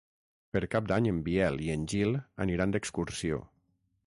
Per Cap d'Any en Biel i en Gil aniran d'excursió.